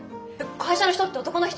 会社の人って男の人？